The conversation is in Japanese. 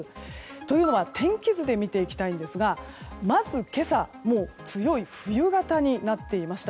というのは天気図で見ていきたいんですがまず今朝もう強い冬型になっていました。